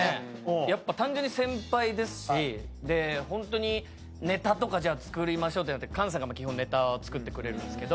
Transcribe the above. やっぱ単純に先輩ですしでホントにネタとかじゃあ作りましょうってなって菅さんが基本ネタ作ってくれるんですけど。